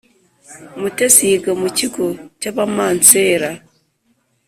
mutesi yiga mu kigo cya abamansera